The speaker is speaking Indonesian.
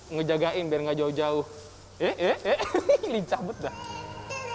ngejagain biar enggak jauh jauh